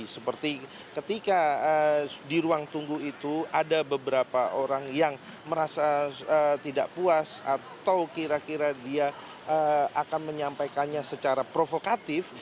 seperti ketika di ruang tunggu itu ada beberapa orang yang merasa tidak puas atau kira kira dia akan menyampaikannya secara provokatif